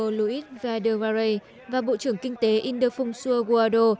ngoại trưởng mexico luis valdegaray và bộ trưởng kinh tế indefunso aguado